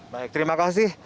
baik terima kasih